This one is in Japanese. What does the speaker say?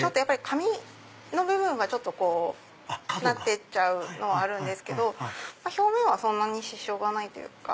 紙の部分はこうなっちゃうのはあるんですけど表面はそんなに支障がないというか。